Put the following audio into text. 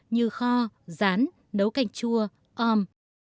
như kho rán nấu canh chua om